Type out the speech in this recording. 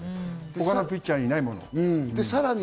他のピッチャーにないものを。